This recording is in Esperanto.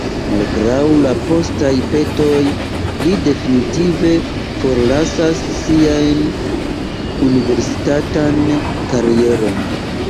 Malgraŭ la postaj petoj, li definitive forlasas sian universitatan karieron.